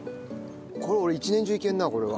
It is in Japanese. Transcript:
これ俺一年中いけるなこれは。